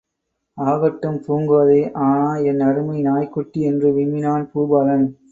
ஆகட்டும் பூங்கோதை.ஆனா, என் அருமை நாய்க்குட்டி? என்று விம்மினான் பூபாலன்.